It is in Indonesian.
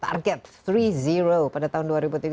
target tiga pada tahun dua ribu tiga puluh